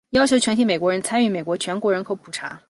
要求全体美国人参与美国全国人口普查。